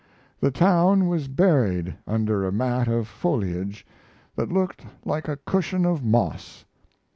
The town was buried under a mat of foliage that looked like a cushion of moss.